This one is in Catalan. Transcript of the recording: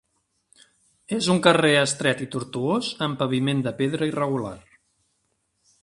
És un carrer estret i tortuós amb paviment de pedra irregular.